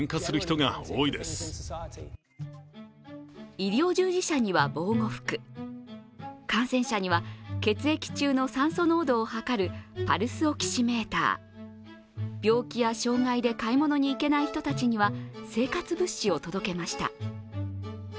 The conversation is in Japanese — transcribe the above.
医療従事者には防護服、感染者には血液中の酸素濃度を測るパルスオキシメーター、病気や障害で買い物に行けない人たちには生活物資を届けました。